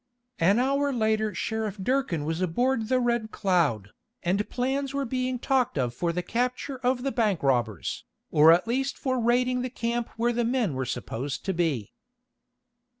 An hour later Sheriff Durkin was aboard the Red Cloud, and plans were being talked of for the capture of the bank robbers, or at least for raiding the camp where the men were supposed to be.